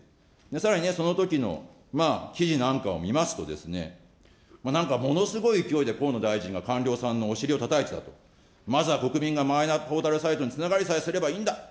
さらにね、そのときの記事なんか見ますとね、なんかものすごい勢いで河野大臣が官僚さんのお尻をたたいてたと、まずは国民がマイナポータルサイトにつながりさえすればいいんだ。